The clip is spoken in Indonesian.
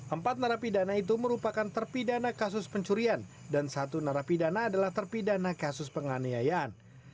empat narapidana itu merupakan terpidana kasus pencurian dan satu narapidana adalah terpidana kasus penganiayaan